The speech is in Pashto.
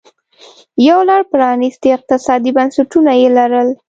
یو لړ پرانیستي اقتصادي بنسټونه یې لرل